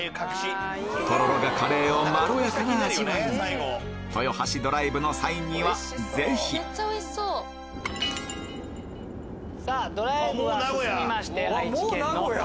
とろろがカレーをまろやかな味わいに豊橋ドライブの際にはぜひさぁドライブは進みまして。